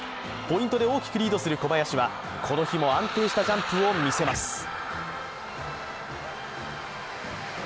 ポイントで大きくリードする小林は、この日も安定したジャンプを見せます。